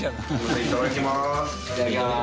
いただきます。